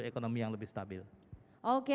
ekonomi yang lebih stabil oke